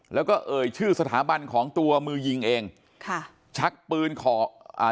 แล้วก็เอ่ยชื่อสถาบันของตัวมือยิงเองค่ะชักปืนขออ่า